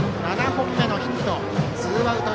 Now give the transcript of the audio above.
７本目のヒット。